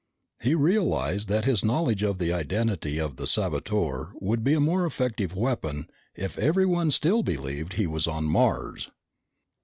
He realized that his knowledge of the identity of the saboteur would be a more effective weapon if everyone still believed he was on Mars.